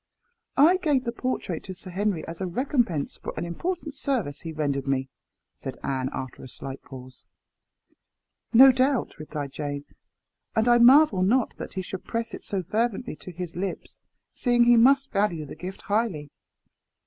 "I gave the portrait to Sir Henry as a recompense for an important service he rendered me," said Anne, after a slight pause. "No doubt," replied Jane; "and I marvel not that he should press it so fervently to his lips, seeing he must value the gift highly.